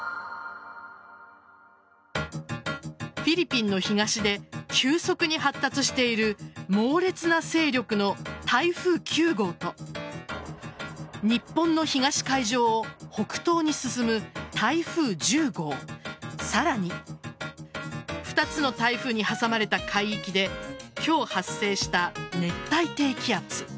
フィリピンの東で急速に発達している猛烈な勢力の台風９号と日本の東海上を北東に進む台風１０号さらに２つの台風に挟まれた海域で今日発生した熱帯低気圧。